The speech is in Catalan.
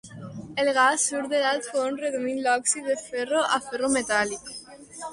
El gas surt de l'alt forn reduint l'òxid de ferro a ferro metàl·lic.